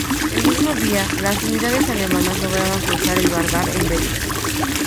El mismo día, las unidades alemanas lograban cruzar el Vardar en Veles.